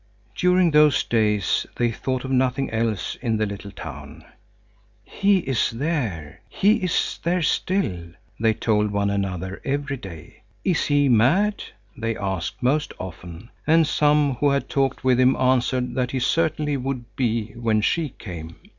During those days they thought of nothing else in the little town. "He is there; he is there still," they told one another every day. "Is he mad?" they asked most often, and some who had talked with him answered that he certainly would be when "she" came.